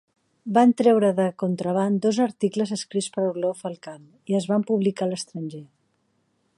Van treure de contraban dos articles escrits per Orlov al camp i es van publicar a l'estranger.